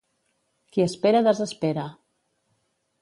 Qui espera desespera